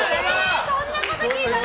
そんなこと聞いたの？